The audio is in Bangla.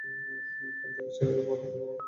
কাল থেকেই ছেড়ে দিবো, ডাক্তার বাবু।